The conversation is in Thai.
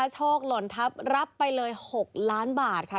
โชคหล่นทัพรับไปเลย๖ล้านบาทค่ะ